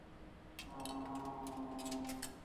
ہم تلخیِ کلام پہ مائل ذرا نہ تھے